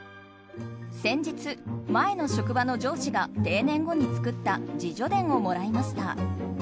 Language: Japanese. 先日、前の職場の上司が定年後に作った自叙伝をもらいました。